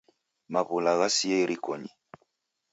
Maw'ula ghasia irikonyi.